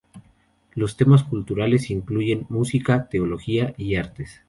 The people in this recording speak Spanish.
Los temas culturales incluyen música, teología y artes.